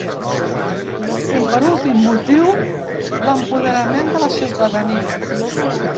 I per últim motiu, l’empoderament de la ciutadania.